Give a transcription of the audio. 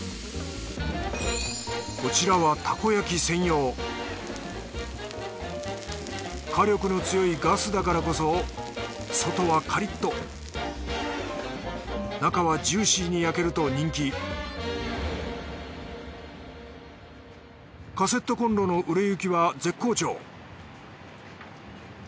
こちらはたこ焼専用火力の強いガスだからこそ外はカリッと中はジューシーに焼けると人気カセットこんろの売れ行きは絶好調